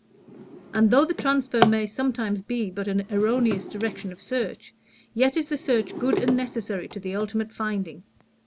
And though the transfer may sometimes be but an erroneous direction of search, yet is the search good and necessary to the ultimate finding.